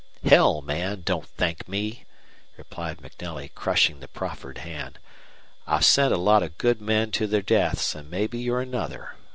"Hell, man! Don't thank me!" replied MacNelly, crushing the proffered hand. "I've sent a lot of good men to their deaths, and maybe you're another.